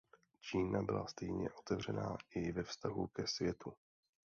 Čína byla stejně otevřená i ve vztahu ke světu.